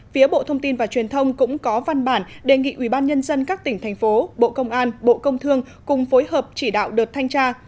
phía bộ thông tin và truyền thông cũng có văn bản đề nghị ubnd các tỉnh thành phố bộ công an bộ công thương cùng phối hợp chỉ đạo đợt thanh tra